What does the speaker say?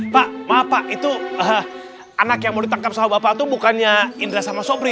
pak maaf pak itu anak yang mau ditangkap sama bapak itu bukannya indra sama sopri